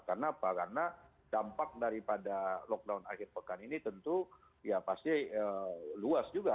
karena apa karena dampak daripada lockdown akhir pekan ini tentu ya pasti luas juga